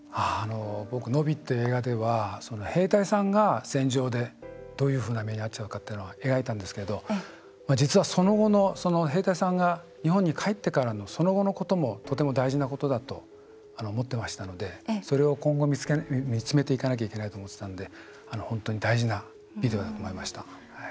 僕、「野火」って映画では兵隊さんが戦場でどういうふうな目に遭っちゃうかを描いたんですけど実は、その後の兵隊さんが日本に帰ってからのその後のこともとても大事なことだと思ってましたのでそれを今後、見つめていかないといけないと思っていたので本当に大事なビデオだと思いました。